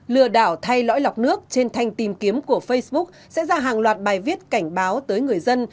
lừa đảo thay lõi lọc nước trên thanh tìm kiếm của facebook sẽ ra hàng loạt bài viết cảnh báo tới người dân